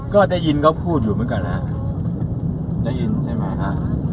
ก็ได้ยินเขาพูดอยู่เหมือนกันฮะได้ยินใช่ไหมฮะ